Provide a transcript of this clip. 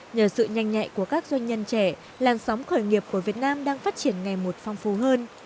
nhờ sự nhanh nhạy của các doanh nhân trẻ làn sóng khởi nghiệp của việt nam đang phát triển ngày một phong phú hơn